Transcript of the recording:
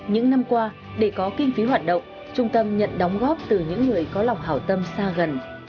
những năm qua để có kinh phí hoạt động trung tâm nhận đóng góp từ những người có lòng hảo tâm xa gần